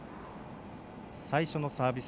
最初のサービス